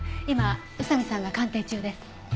今宇佐見さんが鑑定中です。